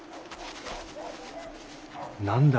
何だ？